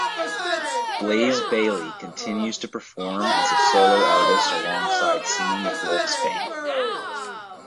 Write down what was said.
Blaze Bayley continues to perform as a solo artist alongside singing with Wolfsbane.